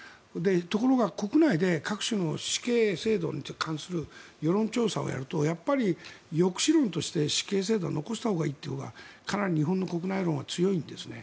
ところが国内で各所の死刑制度に関する世論調査をやるとやっぱり抑止論として死刑制度は残したほうがいいというのがかなり日本の国内論は強いんですね。